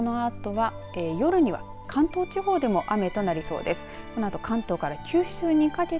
ただこのあとは夜には関東地方でも雨となりそうです。